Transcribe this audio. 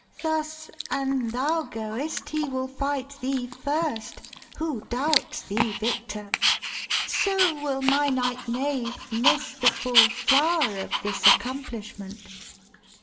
Thus an thou goest, he will fight thee first; Who doubts thee victor? so will my knight knave Miss the full flower of this accomplishment.'